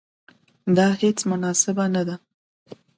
دا هیڅ مناسبه نه ده.